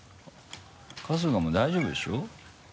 春日も大丈夫でしょ？